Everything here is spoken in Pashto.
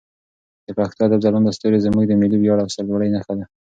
د پښتو ادب ځلانده ستوري زموږ د ملي ویاړ او سرلوړي نښه ده.